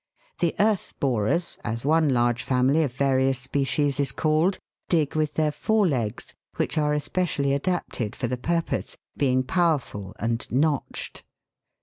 The earth borers, as one large family of various species is called, dig with their fore legs, which are especially adapted for the purpose, being powerful and notched.